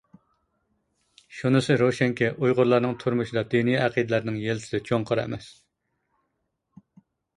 شۇنىسى روشەنكى، ئۇيغۇرلارنىڭ تۇرمۇشىدا دىنىي ئەقىدىلەرنىڭ يىلتىزى چوڭقۇر ئەمەس.